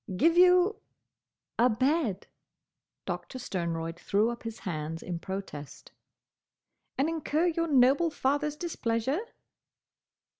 "Give you—?" "A bed." Doctor Sternroyd threw up his hands in protest. "And incur your noble father's displeasure?"